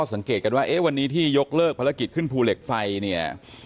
สังเกตว่าวันนี้ที่ยกเลิกภารกิจขึ้นภูเหล็กไฟ